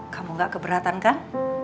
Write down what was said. kamu tidak keberatan kan